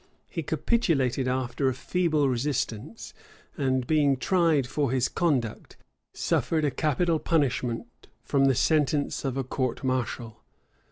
He capitulated after a feeble resistance; and being tried for his conduct, suffered a capital punishment from the sentence of a court martial.